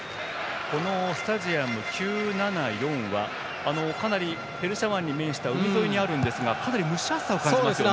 このスタジアム９７４はかなりペルシャ湾に面した海沿いにあるんですがかなり蒸し暑さを感じますよね。